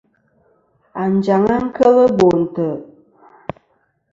Anjaŋ-a kel Bo ntè'.